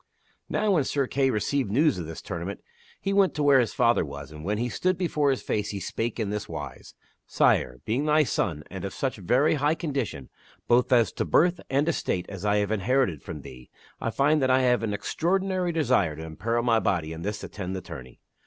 Now when Sir Kay received news of this tournament he went to where his father was, and when he stood before his face he spake in this wise >" Sire, being thy son and of such very high condition both as to birth and estate as I have inherited from thee, I find that I have an extraordinary desire to imperil my body in this attend the tourney.